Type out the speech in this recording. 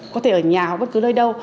có thể ở nhà hoặc bất cứ nơi đâu